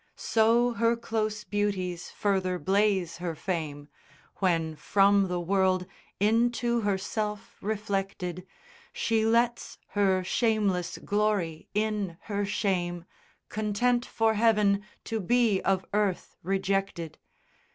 IV. So her close beauties further blaze her fame; When from the world, into herself reflected ; She lets her shameless glory in her shame, Content for heaven to be of earth rejected.